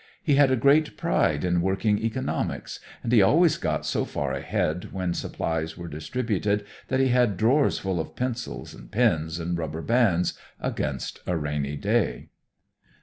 He had a great pride in working economics, and he always got so far ahead when supplies were distributed that he had drawers full of pencils and pens and rubber bands against a rainy day.